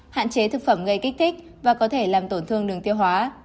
hạn chế thực phẩm gây kích thích và có thể làm tổn thương đường tiêu hóa